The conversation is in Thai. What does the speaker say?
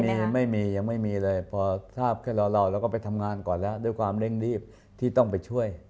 มีไม่มียังไม่มีเลยพอทราบแค่รอเราก็ไปทำงานก่อนแล้วด้วยความเร่งรีบที่ต้องไปช่วย